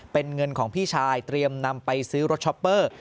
เป็นเงินของพี่ชายเตรียมนำไปซื้อรถช็อปเปอร์